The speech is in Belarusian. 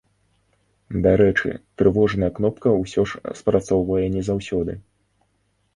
Дарэчы, трывожная кнопка ўсё ж спрацоўвае не заўсёды.